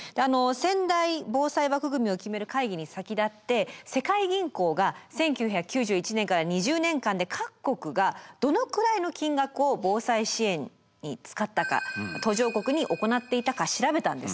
仙台防災枠組を決める会議に先立って世界銀行が１９９１年から２０年間で各国がどのくらいの金額を防災支援に使ったか途上国に行っていたか調べたんです。